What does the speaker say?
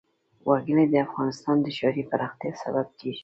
وګړي د افغانستان د ښاري پراختیا سبب کېږي.